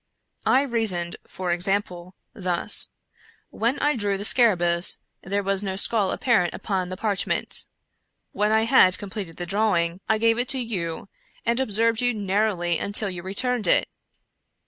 I reasoned, for example, thus : When I drew the scarabcrus, there was no skull apparent upon the parch ment. When I had completed the drawing I gave it to you, and observed you narrowly until you returned it.